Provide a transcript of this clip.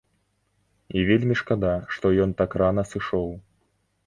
І вельмі шкада, што ён так рана сышоў.